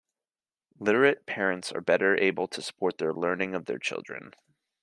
Literate parents are better able to support the learning of their children.